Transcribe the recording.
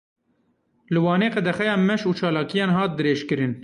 Li Wanê qedexeye meş û çalakiyan hat dirêjkirin.